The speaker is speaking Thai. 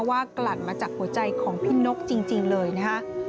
กลั่นมาจากหัวใจของพี่นกจริงเลยนะฮะ